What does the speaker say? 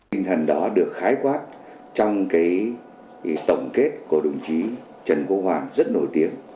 tinh thần đó được khái quát trong tổng kết của đồng chí trần quốc hoàng rất nổi tiếng